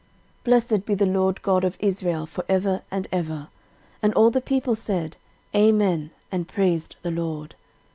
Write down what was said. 13:016:036 Blessed be the LORD God of Israel for ever and ever. And all the people said, Amen, and praised the LORD.